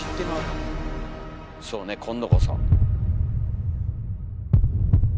そうね今度こそ。